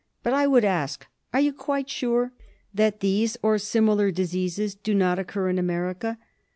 But, I would ask, are you quite sure that these or similar diseases do not occur in America?